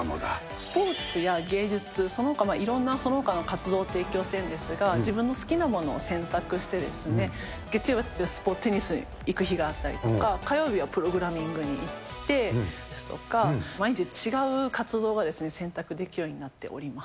スポーツや芸術、そのほか、いろんなそのほかの活動を提供しているんですが、自分の好きなものを選択して、月曜日はテニスに行く日があったりとか、火曜日はプログラミングに行ってですとか、毎日違う活動が選択できるようになっております。